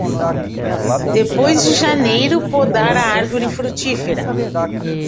Depois de janeiro, podar a árvore frutífera.